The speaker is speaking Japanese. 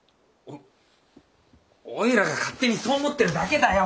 おいらが勝手にそう思ってるだけだよ。